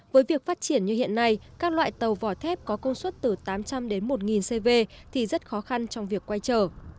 với việc phát triển như hiện nay các loại tàu vỏ thép có công suất từ tám trăm linh đến một cv thì rất khó khăn trong việc quay trở